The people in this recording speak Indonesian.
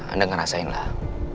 anda ngerasain lah